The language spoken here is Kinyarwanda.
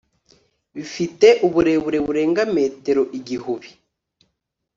bifite uburebure burenga metero igihubi